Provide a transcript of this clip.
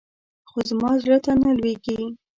خو زما زړه ته نه لوېږي.